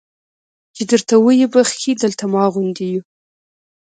چې درته ویې بخښي دلته ما غوندې یو.